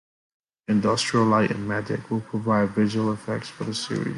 Industrial Light and Magic will provide visual effects for the series.